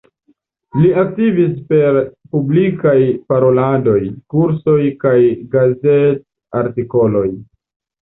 Li aktivis per publikaj paroladoj, kursoj kaj gazet-artikoloj.